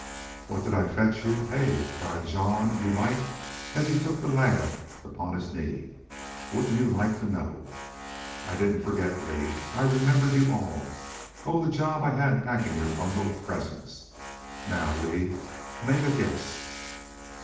"What did I fetch you, hey?" cried Jean, in delight, as he took the lad up on his knee. "Wouldn't you like to know? I didn't forget, Lee. I remembered you all. Oh! the job I had packin' your bundle of presents.... Now, Lee, make a guess."